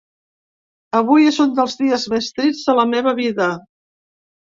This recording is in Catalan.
Avui és un dels dies més trists de la meva vida.